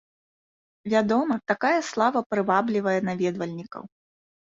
Вядома, такая слава прываблівае наведвальнікаў.